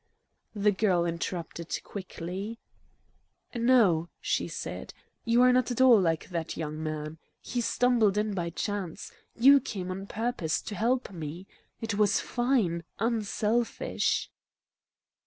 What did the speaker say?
The girl interrupted quickly. "No," she said; "you are not at all like that young man. He stumbled in by chance. You came on purpose to help me. It was fine, unselfish."